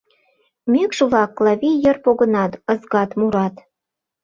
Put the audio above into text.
Мӱкш-влак Клавий йыр погынат, ызгат-мурат: